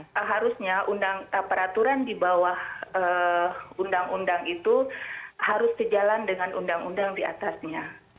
artinya harusnya peraturan di bawah undang undang itu harus terjalan dengan undang undang di atasnya